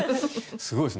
すごいですね